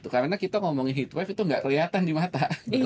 karena kita ngomongin heatwave itu nggak kelihatan di mata